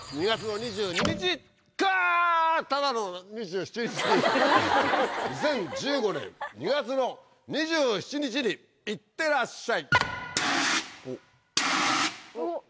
２０１５年２月２７日にいってらっしゃい。